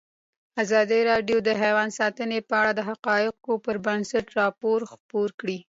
ازادي راډیو د حیوان ساتنه په اړه د حقایقو پر بنسټ راپور خپور کړی.